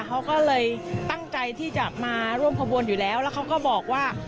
เขาก็เลยตั้งใจที่จะมาร่วมขบวนอยู่แล้วแล้วเขาก็บอกว่า